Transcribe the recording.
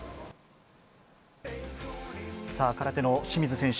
空手の清水選手